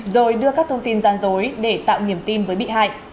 rồi đưa các thông tin gian dối để tạo niềm tin với bị hại